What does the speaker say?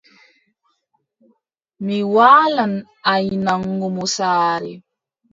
Mi waalan aynango mo saare.